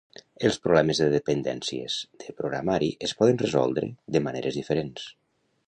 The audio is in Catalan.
Els problemes de dependències de programari es poden resoldre de maneres diferents.